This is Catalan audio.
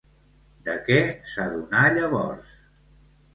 De què s'adonà llavors?